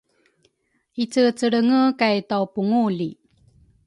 Icecelrenge kay tawpungu li